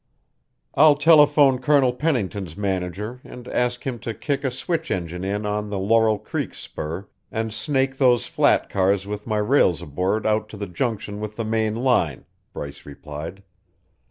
"I'll telephone Colonel Pennington's manager and ask him to kick a switch engine in on the Laurel Creek spur and snake those flat cars with my rails aboard out to the junction with the main line," Bryce replied.